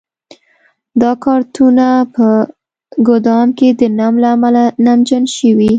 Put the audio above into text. دا کارتنونه په ګدام کې د نم له امله نمجن شوي.